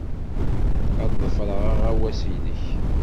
Ad ḍefreɣ aɣawas-nnek.